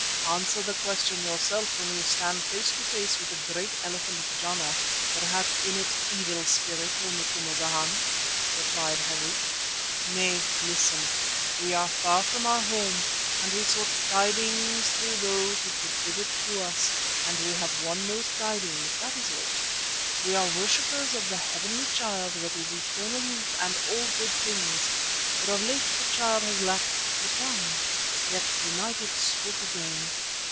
"Answer the question yourself when you stand face to face with the great elephant Jana that has in it an evil spirit, O Macumazana," replied Harût. "Nay, listen. We are far from our home and we sought tidings through those who could give it to us, and we have won those tidings, that is all. We are worshippers of the Heavenly Child that is eternal youth and all good things, but of late the Child has lacked a tongue. Yet to night it spoke again.